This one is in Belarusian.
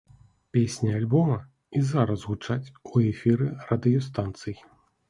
Песні альбома і зараз гучаць у эфіры радыёстанцый.